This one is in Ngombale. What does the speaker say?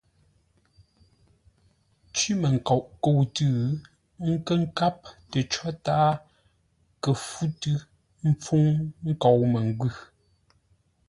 Cwímənkoʼ kə̂u tʉ́, ə́ nkə́ nkáp tə có tǎa kə̂ fú tʉ́ ḿpfúŋ nkou məngwʉ̂.